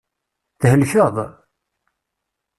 Thelkeḍ?